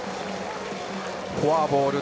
フォアボール。